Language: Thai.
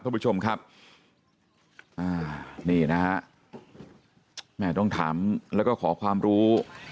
ท่านผู้ชมครับอ่านี่นะฮะแม่ต้องถามแล้วก็ขอความรู้